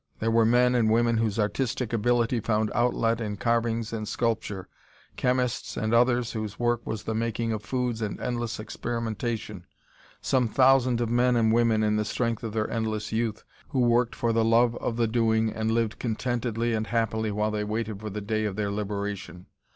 There were men and women whose artistic ability found outlet in carvings and sculpture, chemists and others whose work was the making of foods and endless experimentation, some thousand of men and women in the strength of their endless youth, who worked for the love of the doing and lived contentedly and happily while they waited for the day of their liberation.